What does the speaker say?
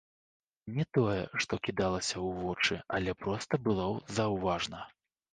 Не тое, што кідалася ў вочы, але проста было заўважна.